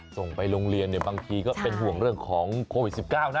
ส่งไปโรงเรียนบางทีก็เป็นห่วงเรื่องของโควิด๑๙นะ